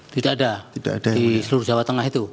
tidak ada di seluruh jawa tengah itu